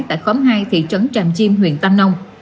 tại khóm hai thị trấn tràm chim huyện tam nông